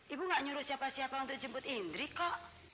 ibu gak nyuruh siapa siapa untuk jemput indri kok